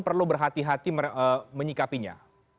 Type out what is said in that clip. perlu berhati hati menyikapinya